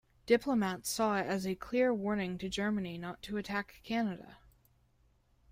Diplomats saw it as a clear warning to Germany not to attack Canada.